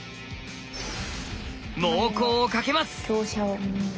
猛攻をかけます。